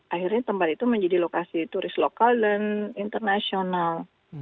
akhirnya tempat itu menjadi lokasi turis lokal dan internasional